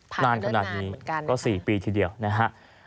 ผ่านมาเรื่องนานเหมือนกันนะคะนานขนาดนี้ก็๔ปีทีเดียวนะฮะ